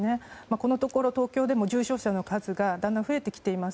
このところ、東京でも重症者の数がだんだん増えてきています。